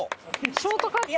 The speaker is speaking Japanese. ショートカット！